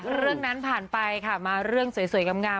เรื่องนั้นผ่านไปค่ะมาเรื่องสวยงาม